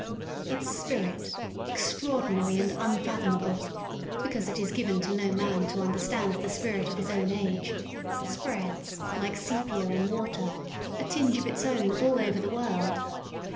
Its spirit, extraordinary and un fathomable — because it is given to no man to under stand the spirit of his own age — spreads, like sepia in water, a tinge of its own over all the world.